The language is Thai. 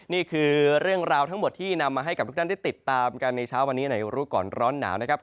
นี่คือเรื่องราวทั้งหมดที่นำมาให้กับทุกท่านได้ติดตามกันในเช้าวันนี้ในรู้ก่อนร้อนหนาวนะครับ